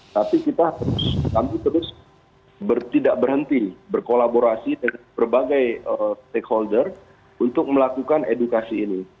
tapi kami terus tidak berhenti berkolaborasi dengan berbagai stakeholder untuk melakukan edukasi ini